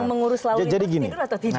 mengurus lalu lintas tidur atau tidak